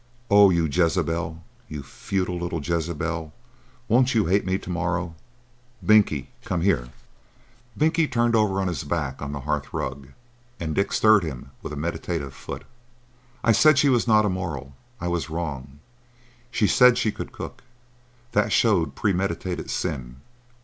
"Oh, you Jezebel! you futile little Jezebel! Won't you hate me to morrow!—Binkie, come here." Binkie turned over on his back on the hearth rug, and Dick stirred him with a meditative foot. "I said she was not immoral. I was wrong. She said she could cook. That showed premeditated sin.